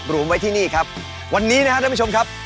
รวมไว้ที่นี่ครับวันนี้นะครับท่านผู้ชมครับ